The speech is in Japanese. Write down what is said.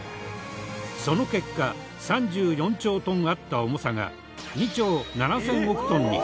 その結果３４兆トンあった重さが２兆７０００億トンに。